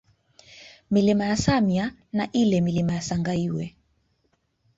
Milima ya Samya na ile Milima ya Sangaiwe